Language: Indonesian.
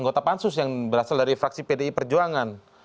dan ini dari pansus yang berasal dari fraksi pdi perjuangan